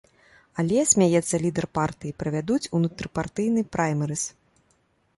Але, смяецца лідар партыі, правядуць унутрыпартыйны праймерыз.